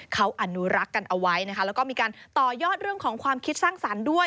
เขาอนุรักษ์กันเอาไว้นะคะแล้วก็มีการต่อยอดเรื่องของความคิดสร้างสรรค์ด้วย